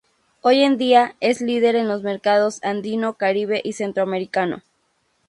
Hoy en día, es líder en los mercados Andino, Caribe y Centroamericano.